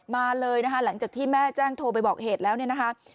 มาเลยนะคะหลังจากที่แม่แจ้งโทรไปบอกเหตุแล้วเนี่ยนะคะ